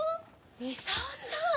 操ちゃん！